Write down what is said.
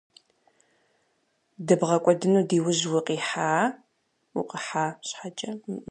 ДыбгъэкӀуэдыну ди ужь укъыхьа щхькӀэ пхузэфӏэкӏынукъым.